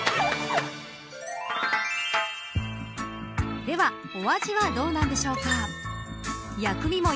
では、お味はどうなんでしょうか。